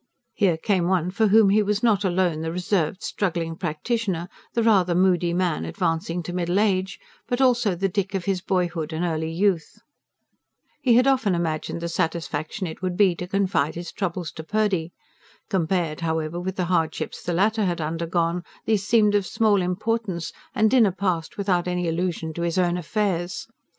Here came one for whom he was not alone the reserved, struggling practitioner, the rather moody man advancing to middle age; but also the Dick of his boyhood and early youth. He had often imagined the satisfaction it would be to confide his troubles to Purdy. Compared, however, with the hardships the latter had undergone, these seemed of small importance; and dinner passed without any allusion to his own affairs.